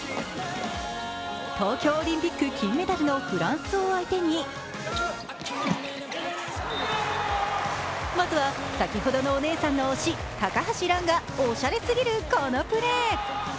東京オリンピック金メダルのフランス相手に、まずは先ほどのお姉さんの推し、高橋藍がおしゃれすぎるこのプレー。